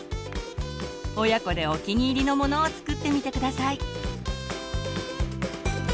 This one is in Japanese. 親子でお気に入りのものを作ってみて下さい。